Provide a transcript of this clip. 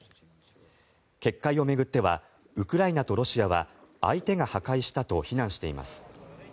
決壊を巡ってはウクライナとロシアは相手が破壊したと非難しています。